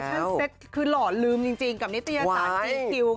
แฟชั่นเซ็ทคือหล่อลืมจริงกับนิตยาศาสตร์จิ๊กกิวค่ะ